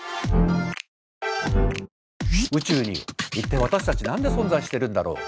宇宙に一体私たち何で存在してるんだろう。